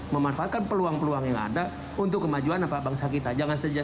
memanfaatkan peluang peluang yang ada untuk kemajuan apa bangsa kita